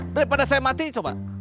daripada saya mati coba